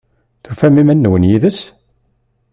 Tufam iman-nwen yid-s?